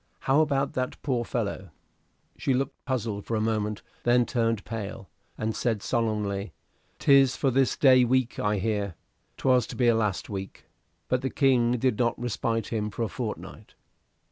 "How about that poor fellow?" She looked puzzled a moment, then turned pale, and said solemnly, "'Tis for this day week, I hear. 'Twas to be last week, but the King did respite him for a fortnight."